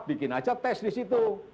bikin aja tes di situ